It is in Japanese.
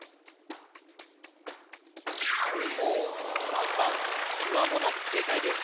３番つわもの正解です